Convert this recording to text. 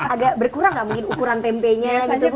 agak berkurang gak mungkin ukuran tempenya gitu bu